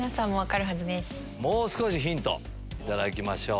もう少しヒントを頂きましょう。